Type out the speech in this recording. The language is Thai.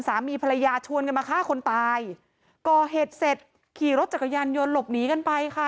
สามีภรรยาชวนกันมาฆ่าคนตายก่อเหตุเสร็จขี่รถจักรยานยนต์หลบหนีกันไปค่ะ